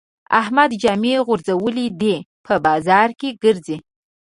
احمد جامې غورځولې دي؛ په بازار کې ګرځي.